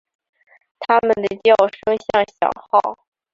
它们的叫声像小号。